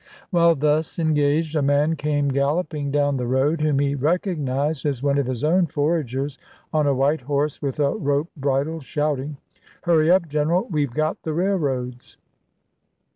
While thus engaged, a man came galloping down the road, whom he recognized as one of his own foragers, on a white horse, with a rope bridle, shouting, " Hurry up, General, we 've got the railroads."